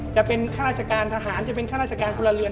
จะเป็นข้าราชการทหารจะเป็นข้าราชการพลเรือน